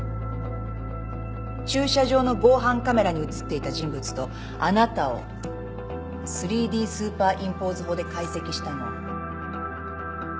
駐車場の防犯カメラに写っていた人物とあなたを３Ｄスーパーインポーズ法で解析したの。